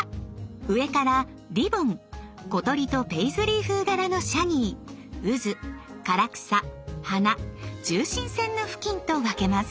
上からリボン小鳥とペイズリー風柄のシャギーうず・唐草・花中心線の付近と分けます。